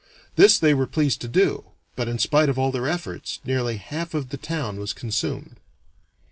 This they were pleased to do, but in spite of all their efforts nearly half of the town was consumed.